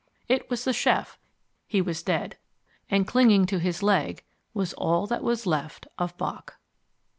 It was the chef. He was dead. And clinging to his leg was all that was left of Bock.